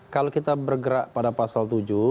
kalau kita bergerak pada pasal tujuh